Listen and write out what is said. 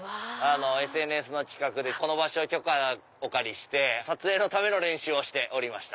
ＳＮＳの企画でこの場所をお借りして撮影のための練習をしてました。